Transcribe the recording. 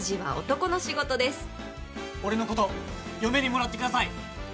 「俺のこと嫁にもらってください」